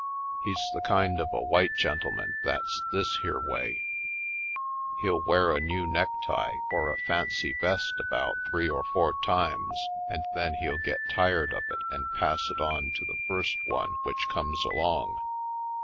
He's the kind of a white gentleman that's this here way: He'll wear a new necktie or a fancy vest about three or four times and then he'll get tired of it and pass it on to the first one which comes along.